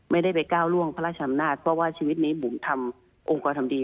ไม่ได้ไปก้าวร่วงพระราชนามนาฏเพราะว่าชีวิตนี้หมุนธรรมโอกาสดี